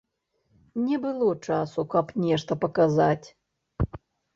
Не было часу, каб нешта паказаць.